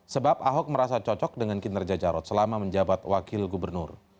sebab ahok merasa cocok dengan kinerja jarod selama menjabat wakil gubernur